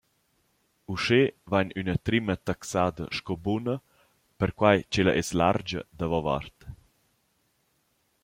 Uschè vain üna trimma taxada sco buna perquai ch’ella es largia davovart.